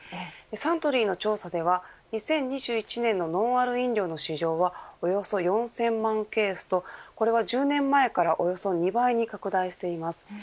サントリーの調査では２０２１年のノンアルコール飲料の市場はおよそ４０００万ケースとこれは１０年前からおよそ２倍に拡大しています。